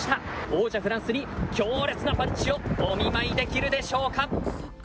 王者、フランスに強烈なパンチをお見舞いできるでしょうか。